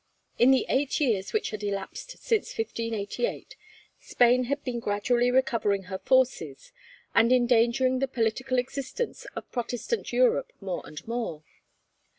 In the eight years which had elapsed since 1588, Spain had been gradually recovering her forces, and endangering the political existence of Protestant Europe more and more.